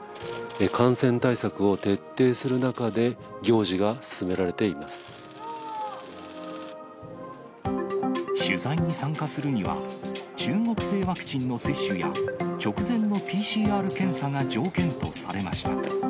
感染対策を徹底する中で、行事が取材に参加するには、中国製ワクチンの接種や、直前のＰＣＲ検査が条件とされました。